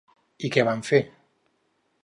I què van fer?